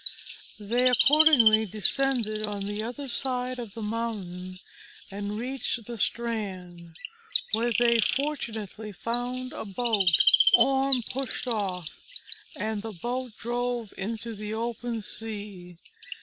They accordingly descended on the other side of the mountain, and reached the strand, where they fortunately found a boat. Orm pushed off, and the boat drove into the open sea.